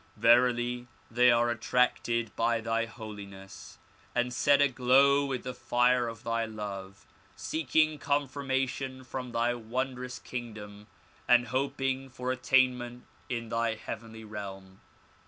Verily they are attracted by thy holiness and set aglow with the fire of thy love, seeking con firmation from thy wondrous kingdom and hoping for attainment in thy heavenly realm.